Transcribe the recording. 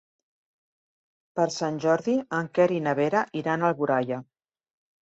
Per Sant Jordi en Quer i na Vera iran a Alboraia.